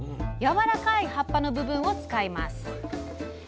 やわらかい葉っぱの部分を使います。